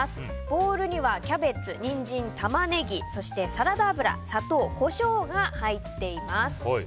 ボウルにはキャベツ、ニンジン、タマネギそして、サラダ油、砂糖コショウが入っています。